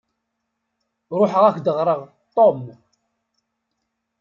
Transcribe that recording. Ruḥeɣ ad k-d-aɣreɣ "Tom".